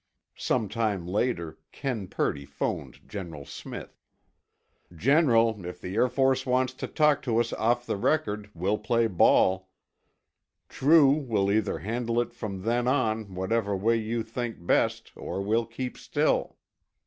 Some time later, Ken Purdy phoned General Smith. "General, if the Air Force wants to talk to us off the record, we'll play ball. True will either handle it from then on whatever way you think best or we'll keep still."